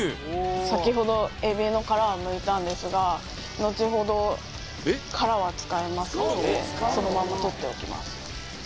さきほどエビの殻はむいたんですがのちほど殻は使いますのでそのまんまとっておきます